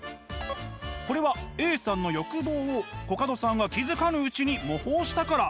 これはＡさんの欲望をコカドさんが気付かぬうちに模倣したから。